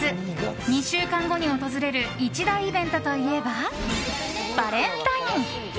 ２週間後に訪れる一大イベントといえばバレンタイン！